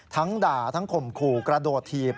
ทั้งด่าทั้งข่มขู่กระโดดถีบ